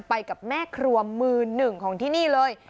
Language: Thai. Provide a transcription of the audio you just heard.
ไปกับแม่ครัวมือหนึ่งของที่นี่เลย